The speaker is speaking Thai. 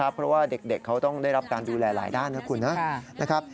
เพราะว่าเด็กเขาต้องได้รับการดูแลหลายด้านนะคุณนะครับ